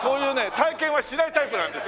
体験はしないタイプなんです。